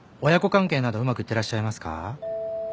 親子関係などうまくいってらっしゃいますか？